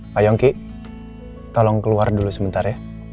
pak yongki tolong keluar dulu sebentar ya